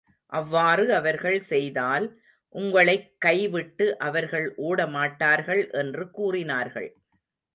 அவ்வாறு அவர்கள் செய்தால், உங்களைக் கை விட்டு அவர்கள் ஒட மாட்டார்கள் என்று கூறினார்கள்.